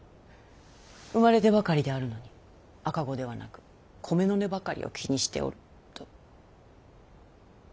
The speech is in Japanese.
生まれたばかりであるのに赤子ではなく米の値ばかりを気にしておると。